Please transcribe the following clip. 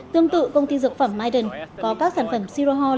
tương tự công ty dược phẩm myden có các sản phẩm si rô hoa